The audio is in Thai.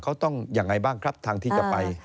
เขาต้องยังไงบ้างครับทางที่จะไป